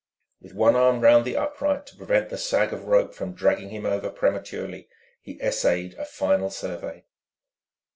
With one arm round the upright to prevent the sag of rope from dragging him over prematurely, he essayed a final survey.